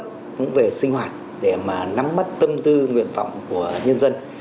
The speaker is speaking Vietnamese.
cũng về sinh hoạt để mà nắm bắt tâm tư nguyện vọng của nhân dân